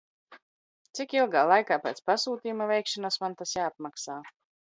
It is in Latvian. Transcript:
Cik ilgā laikā pēc pasūtījuma veikšanas man tas jāapmaksā?